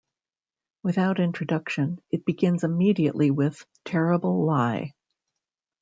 Without introduction, it begins immediately with "Terrible Lie".